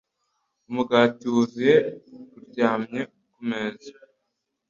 Umugati wuzuye uryamye kumeza.